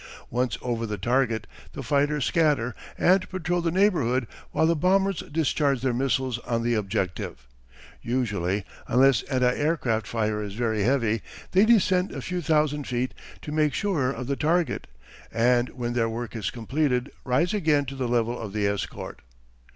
Once over the target the fighters scatter and patrol the neighbourhood while the bombers discharge their missiles on the objective. Usually, unless anti aircraft fire is very heavy, they descend a few thousand feet to make surer of the target, and when their work is completed rise again to the level of the escort.